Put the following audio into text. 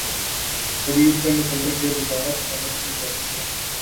مریض سے متعلق یہ وضاحت طلب کی جاتی ہے